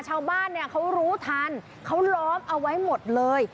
ชาวบ้านเนี่ยเขารู้ทันเขาล้อมเอาไว้หมดเลย